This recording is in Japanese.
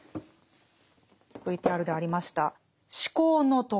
ＶＴＲでありました「思考の徳」。